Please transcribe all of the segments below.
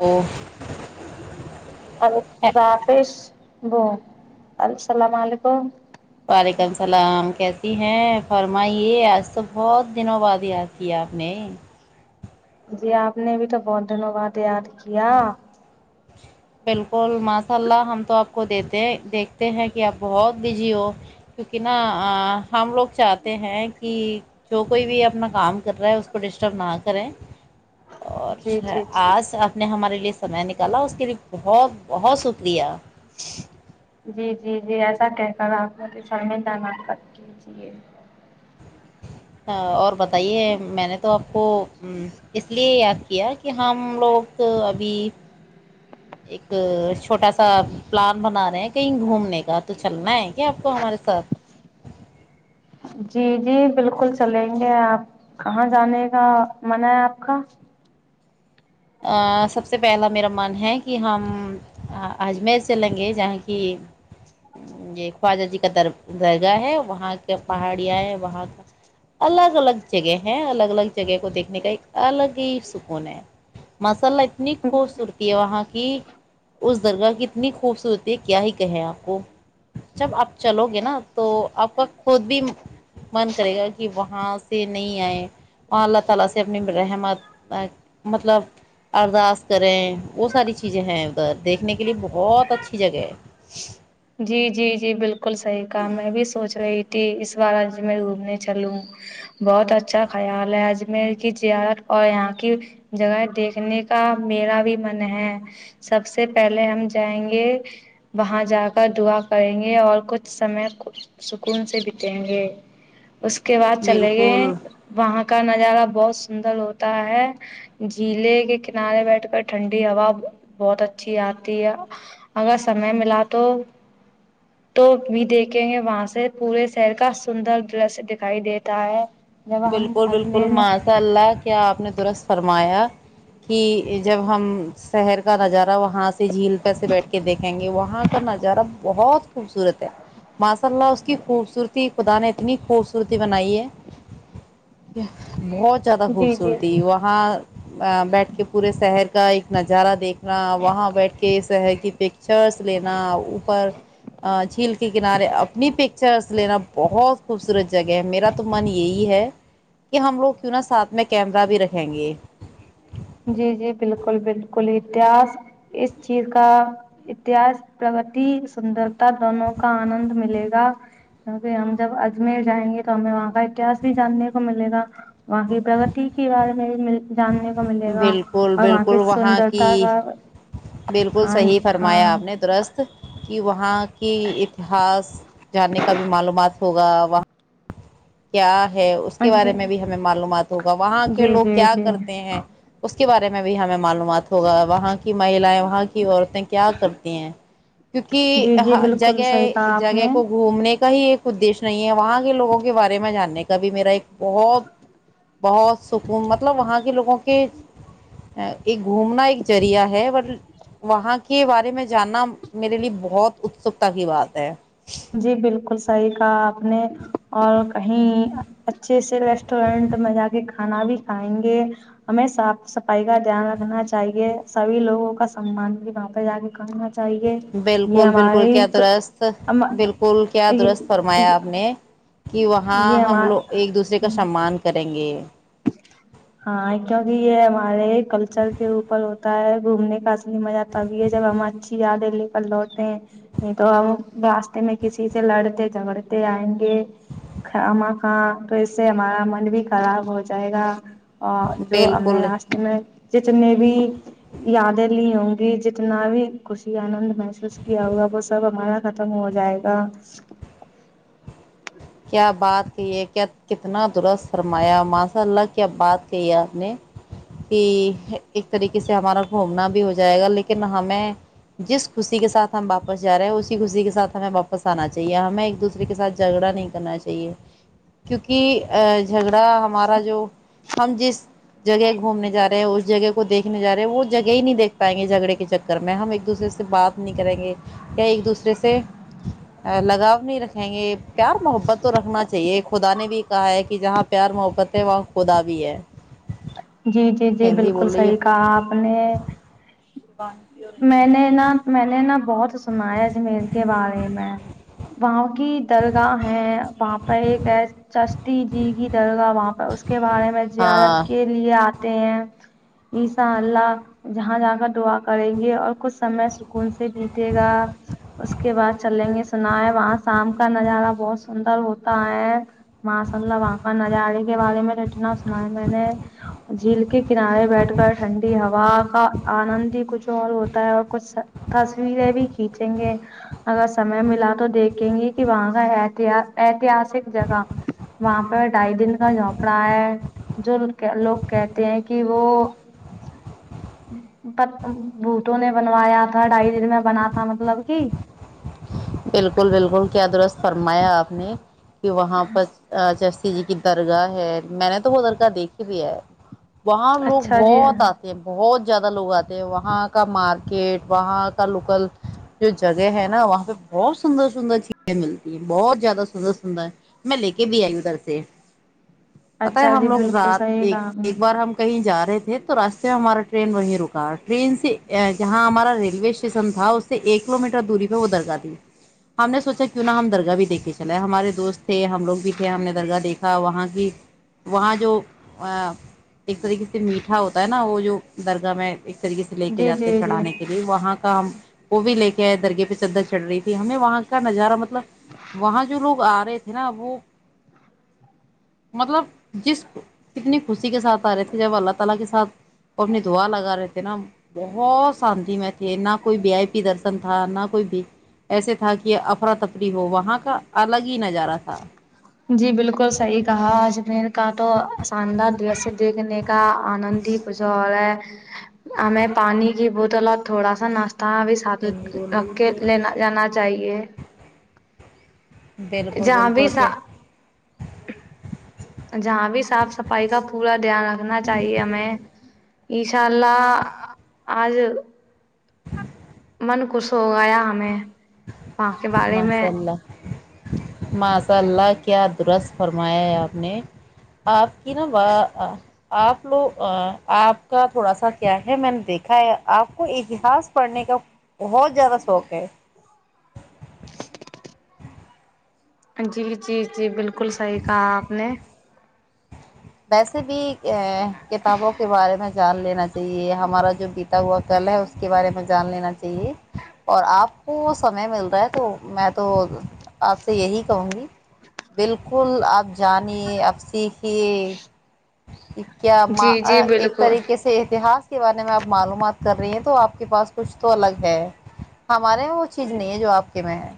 وہ رافش بو السلام علیکم وعلیکم السلام کیسی ہیں فرمائیے آج تو بہت دنوں بعد ہی آتی ہے آپ نے جی آپ نے بھی تو بہت دنوں بعد یاد کیا بالکل ماشاء اللہ ہم تو آپ کو دیتے ہیں دیکھتے ہیں کہ آپ بہت بزی ہو کیونکہ نا ہم لوگ چاہتے ہیں کہ جو کوئی بھی اپنا کام کر رہا ہے اس کو ڈسٹرب نہ کریں اور جی جی جی آج آپ نے ہمارے لیے سمے نک چلا اس کے لیے بہت بہت شکریہ جی جی جی ایسا کہ کر آپ سر میں جمات کر کیجیے اور بتائیے میں نے تو آپ کو اس لیے یاد کیا کہ ہم لوگ ابھی ایک چھوٹا سا پلان بنا رہے ہیں کہیں گھومنے کا تو چلنا ہے کیا آپ کو ہمارے ساتھ جی جی بالکل چلیں گے آپ کہاں جانے کا من ہے آپ کا سب سے پہلا میرا من ہے کہ ہم اجمیر سے لیں گے جہاں کی یہ خواجہ جی کا در درگاہ ہے وہاں کے پہاڑیاں ہے وہاں کا الگ الگ جگہ ہیں الگ الگ جگہ کو دیکھنے کا ایک الگ ہی سکون ہے ماشاءاللہ اتنی خوبصورتی ہے وہاں کی اس درگاہہ کی اتنی خوبصورتی ہے کیا ہی کہیں آپ کو جب آپ چلو گے نا تو آپ کا خود بھی من کرے گا کہ وہاں سے نہیں آئیں وہاں اللہ تعالی سے اپنی رحمت مطلب ارداس کریں وہ ساری چیزیں ہیں ادھر دیکھنے کے لیے بہت اچھی جگہ ہے جی جی جی بالکل صحیح کام میں بھی سوچ رہی اسواراج میں گھومنے چوں بہت اچھا خیال ہے اجمیر کی جت اور یہاں کی جگہ دیکھنے کا میرا بھی من ہے سب سے پہلے ہم جائیں گے وہاں جا کر کر دعا کریں گے اور کچھ سمے سکون سے بتیں گے اس کے بعد چلے گئے بالکل وہاں کا نظارہ بہت سندر ہوتا ہے جلے کے کنارے بیٹھ کر ٹھنڈی ہا بہت اچھی آتی ہے اگر سمے ملا تو تو بھی دیکھیں گے وہاں سے پورے شہر کا سندر درشیہ دکھائی دیتا ہے جب ہم بالکل بالکل اجمیر میں ماشاء اللہ کیا آپ نے درست فرمایا کہ جب ہم شہر کا نظارہ وہاں سے جھیل پرہ سے بیٹھ کے دیکھیں گے وہاں کا نظارہ بہت خوبصورت ہے ماشاء اللہ اس کی خوبصورتی خدا نے اتنی خوبصورتی بنائی ہے بہت زیادہ جی جی خوبصورتی وہ وہاں بیٹھ کے پورے شہر کا ایک نظارہ دیکھنا وہاں بیٹھ کے ہے کہ پکچرس لینا اوپر جھیل کے کنارے اپنی پکچرس لینا بہت خوبصورت جگہ ہے میرا تو من یہی ہے کہ ہم لوگ کیوں نہا ساتھ میں کیمرا بھی رکھیں گے جی جی بالکل بالکل اتہس اس چیز کا اتہس پرگتی سندرتا دونوں کا آنند ملے گا کیکہ ہم جب اجمیر جائیں گے تو ہمیں وہاں کا اتہس بھی جاننے کو ملے گا وہاں کی پرگتی کی بارے میں جاننے کو ملے گا بالکل اور بالکل کی وہاں کی سندرتا کا بالکل ہاں صحیح فرمایا آپ نے ہاں درست کہ وہاں کی اتہاس جاننے کا بھی معلومات ہوگا وہاں کیا ہے اس کے جی بارے میں بھی ہمیں معلومات ہوگا وہاں کے جی لوگ جی کیا کرتے ہیں جی اس کے بارے میں بھی ہمیں معلومات ہوگا وہاں کی مہییں وہاں کی عورتیں کیا کرتے ہیں کیونکہ جی جی ہاں بالکل جگہ صحیح کہا آپ جگہ نے کو گھومنے کا ہی ایک ادایش نہیں ہے وہاں کے لوگوں کے بارے میں جاننے کا بھی میرا ایک بہت بہت سکون مطلب وہاں کے لوگوں کے ایک گھومنا ایک ذریعہ ہے وہاں کے بارے میں جاننا میرے لیے بہت اتسکتا کی بات ہے جی بالکل صحیح کہا آپ نے اور کہیں اچھے سے ریسٹورنٹ میں جا کے کھانا بھی کھائیں گے ہمیں صاف صفائی کا دھیان رکھنا چاہیے سبھی لوگوں کا سممان بھی وہاں پہ جا کے کرنا چاہیے یہ بالکل بالکل ہماریے کیا درست بالکل کیا درست فرمایا آپ نے کہ وہاں یہ ہم لوگ ایک دوسرے کا ہمار سسمان کریں گے ہاں کیونکہ یہ ہمارے کلچر کے اوپر ہوتا ہے گھومنے کا اصلی مزہ تب یہ جب ہم اچھی یادیں لے کر لوٹ ہیں نہیں تو ہم راستے میں کسی سے لڑتے جھگڑتے آئیں گے کھ ما کا تو اس سے ہمارا من بھی خراب ہو جا جائے گا جو ہم نے بالکل لاسٹ میں جتنی بھی یادیں لی ہوں گی جتنا بی خوشی آنند محسوس کیا ہوا وہ سب ہمارا ختم ہو جائے گا کیا بات کہی ہے کیا کتنا درست فرمایا ماشاء اللہ کیا بات کہی ہے آپ نے کہ ایک طریقے سے ہمارا گھومنا بھی ہو جائے گا لیکن ہمیں جس خوشی کے ساتھ ہم واپس جا رہے ہیں اسی خوشی کے ساتھ ہمیں واپس آنا چاہیے ہمیں ایک دوسرے کے ساتھ جھگڑا نہیں کرنا چاہیے کیونکہ جھگڑا ہمارا جو ہم جس جگہ گھومنے جا رہے ہیں اس جگہ کو دیکھنے جارے ہیں وہ جگہ ہی نہیں دیکھ پائیں گے جگڑے کے جک کر میں ہم ایک دوسرے سے بات نہیں کریں گے یا ایک دوسرے سے لگاؤ نہیں رکھیں گے پیار محبت تو رکھنا چاہیے خدا نے بھی کہا ہے کہ جہاں پیار محبت ہے وہاں خدا بھی ہے جی جی جی ہندی بالکل بول رہی ہے صحیح کہا آپ نے میں نے نہ میں نے بہت سنا ہیں اجمیر کے بارے میں وہاں کی درگاہ ہے وہاں پر ایک چستیجی کی درگاہ وہاں پر اس کے بارے میں زیارت ہاں کے لیے آتے ہیں ان شاء اللہ جہاں جہ کر دعا کریں گے اور کچھ سمے سکون سے بیتے گا اس کے بعد چلیں گے سنا ہے وہاں شام کا نظارہ بہت سندر ہوتا ہے ماشا اللہ وہاں کا نظارے کے بارے میں اتنا سنا ہے میں نے جھیل کے کنارے بیٹھ کر ٹھنڈی ہوا کا آنند ہی کچھ اور ہوتا ہے اور کچھ تصویریں بھی کھینچیں گے اگر سمے ملا تو دیکھیں گی کہ وہاں کا اتحاسک جگہ وہاں پہ ڈھائی دن کا جھوپڑا ہے جو لوگ کہتے ہیں کہ وہ بھوٹوں نے بنوایا تھا ڈھائی دن میں بنا تھا مطلب کہ بالکل بالکل کیا درست فرمایا آپ نے کہ وہاں پر جیسے کی درگاہ ہے میں نے تو وہ درگاہ دیکھی بھی ہے وہاں لوگ اچھا جی بہت اتا بہت زیادہ لوگ آتے ہیں وہاں کا مارکیٹ وہاں کا لوکل جو جگہ ہے نہ وہاں پہ بہت سندر سندر چیزیں ملتی ہیں بہت زیادہ سندر سندر میں لے کے بھی آئی ادھر سے پتا ہے اچھا جی ہم لوگ بالکل رات صحیح ایک کہا آپ نے ایک بار ہم کہیں جا رہے تھے تو راستے میں ہمارا ٹرین وہیں روکا ٹرین سے جہاں ہمارا ریلوے اسٹیشن تھا اس کہ ایک کلو میٹر دوری پہ وہ درگاہ تھی ہم نے سوچا کیوں نہا ہم درگاہ بھی دیکھ کے چلے ہمارے دوست تھے ہم لوگ بھی تھے ہم نے درگاہ دیکھا وہاں کی وہاں جو ایک طریقے سے میٹھا ہوتا ہے نہ وہ جو درگاہ میں ایک طریقے سے لے کے جی جاتے ہیں جی جی چڑھانے کے لیے وہاں کا ہم وہ بھی لے کے آئے درگہ پہ چدر چڑھ ہمیں وہاں کا نظارہ مطلب وہاں جو لوگ آ رہے تھے نہ وہ مطلب جس کتنے کرسی کے ساتھ ا رہے تھے جب اللہ تعالی کے ساتھ وہ اپنی دا لگا رہے تھے نا بہت شانتی میں تھے نہ کوئی بی آئی پی درشن تھا نہ کوئی بھی ایسے تھا کہ افرا تفری ہو وہاں کا الگ ہی نظارہ تھا جی بالکل صحیح کہا اجمیر کا تو آاندار درس دیکھنے کا آنند ہی کشال ہے ہ میں پانی کی بوتل اور تھوڑا سا ناشتہ ا بھی ساتھ ہندی بول رہی رکھ کے تھی لینا جانا چاہیے اور بالکل جہاں بھی بالکل سا کہ جہاں بھی صاف صفائی کا پورا دھیان رکھنا چاہیے ہمیں ایشاء اللہ آج من خوش ہو گیا ہمیں وہاں کے بارے میں ماشاءاللہ ماشاء اللہ کیا درست فرمایا ہے آپ نے آپ کی نا ا آپ لوگ آپ کا تھوڑا سا کیا ہے میں نے دیکھا ہے آپ کو اتہاس پڑھنے کا بہت زیادہ سوق ہے جی جی جی بالکل صحیح کہا آپ نے ویسے بھی ا کتابوں کے بارے میں جان لینا چاہیے ہمارا جو بیتا ہوا کل ہے اس کے بارے میں جان لینا چاہیے اور آپ کو سمے مل رہا ہے تو میں تو آپ سے یہی کہوں گی بالکل آپ جانیے آپ سیکھیے کیا جی جی ایک بالکل طریقے سے اتہس کے بارے میں آپ معلومات کر رہی ہیں تو آپ کے پاس کچھ تو الگ ہے ہمارے یہاں وہ چیز نہیں ہے جو آپ کے میں ہے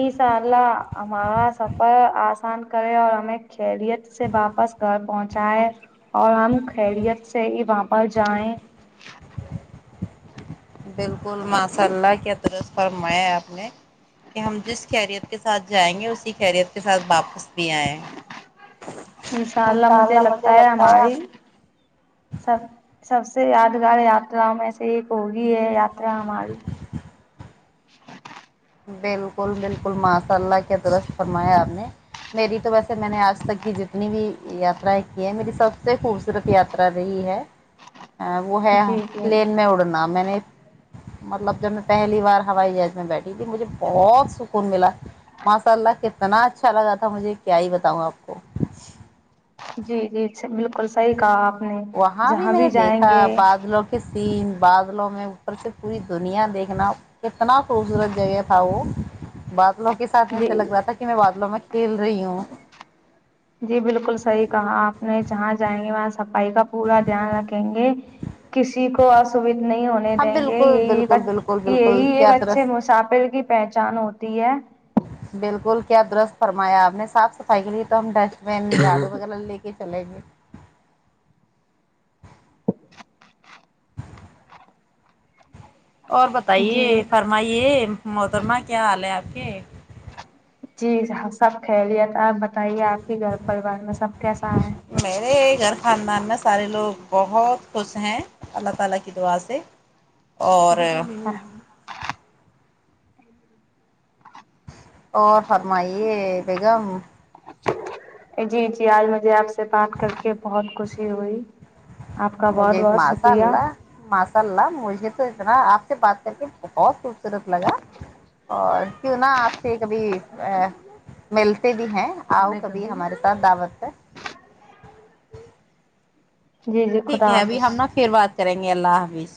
انشاء اللہ ہمارا سفر آسان کرے اور ہمیں خیریت سے واپس گھر پہنچائے اور ہم خیریت سے ہی وہاں پر جائے بالکل ماشاء اللہ کیا درست فرمایا آپ نے کہ ہم جس خیریت کے ساتھ جائیں گے اسی خیریت کے ساتھ واپس بھی آئیں انشاء اللہ مجھے لگتا ہے ہماری سب سب سے یادگار یاترا میں سے ایک ہوگی ہے یاترا ہماری بالکل بالکل ماشاء اللہ کے درست فرمایا آپ نے میری تو ویسے میں نے آج تک کی جتنی بھی یاترائیں کی ہیں میری سب سے خوبصورت یاترا رہی ہے وہ ہے جی جی پلین میں اڑنا میں نے مطلب جب میں پہلی بار ہوائی جہاز میں بیٹھی تھی مجھے بہت سکون ملا ماشاء اللہ کتنا اچھا لگا تھا مجھے کیا ہی بتاؤں آپ کو جی جی بالکل صحیح کہاں وہاں بھی میں نے دیکھا بادلوں سین بادلوں میں اوپر سے پوری دنیا دیکھنا کتنا خوبصورت جگہ تھا وہ بات بوں کے سات ایسے جی لگ رہا تھا کہ میں بادلوں میں کھیل رہی ہوں جی بالکل صحیح کہا آپ نے جہاں جائیں گے وہاں صفائی کا پورا دھیان رکھیں گے کسی اسوھ نہیں ہونے ہاں دیں گے بالکل یہی بالکل بالکل بالکل یہی ایک کیا اچھے درست مسافل کی پہچھان ہوتی ہے بالکل کیا درست فرمایا آپ نے صاف صفائی کے لیے تو ہم ڈسٹ بین جھاڑو وغیرہ لے کے چلیں گے اور بتائیے جی فرمائیے محترمہ کیا حال ہے آپ کے جی سب خیریت آپ بتائیے آپ کے گھر پریوار میں سب کیسا ہے میرے گھر خاندان میں سارے لوگ بہت خوش ہیں اللہ تعالی کی دعا سے اور اور فرمائیے بیگم جی جی آج مجھے آپ سے بات کر کے بہت خوشی ہوئی آپ کا بہت مجھے بہت ماشاء شکریہ اللہ ماشاء اللہ مجھے تو اتنا آپ سے بات کر کے بہت خوبصورت لگا اور کیوں نہ آج سے کبھی ملتے بھی ہیں آؤ کبھی ہمارے ساتھ دعوت ہے جی جی ٹھیک خدا ہے ابھی ہم حافظ نا پھر بات کریں گے اللہ حافظ